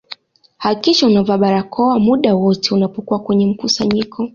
hakikisha unavaa barakoa muda wote unapokuwa kwenye mkusanyiko